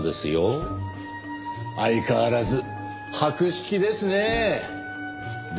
相変わらず博識ですねえ。